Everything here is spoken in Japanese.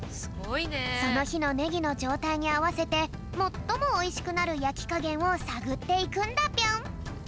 そのひのねぎのじょうたいにあわせてもっともおいしくなるやきかげんをさぐっていくんだぴょん。